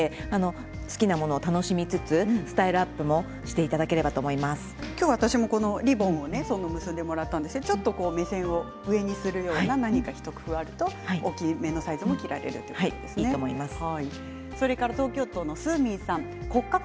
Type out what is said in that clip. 好きなものを楽しみつつスタイルアップも今日、私もリボンを結んでもらったんですけどちょっと目線を上にするような何か、一工夫があると大きめのサイズも着られるということですね。